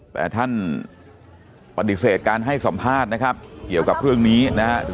แต่ท่านปฏิเสธการให้สัมภาษณ์นะครับเกี่ยวกับเรื่องนี้นะครับ